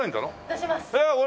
出します。